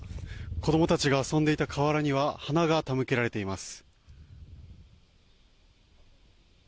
子供たちが遊んでいた河原には花が手向けられています。